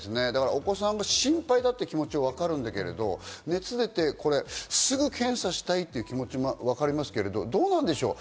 お子さんが心配だという気持ちはわかるんだけど、熱が出て、すぐ検査したいという気持ちはわかりますけど、どうなんでしょう？